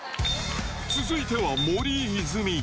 続いては森泉。